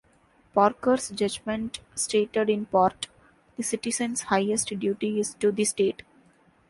Parker's judgment stated in part "the citizen's highest duty is to the State".